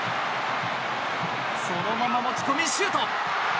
そのまま持ち込み、シュート！